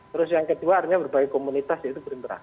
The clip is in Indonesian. terus yang keduanya berbagai komunitas yaitu berimperas